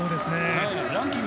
ランキング